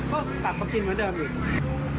ก็กลับมากินเหมือนเดิมอีก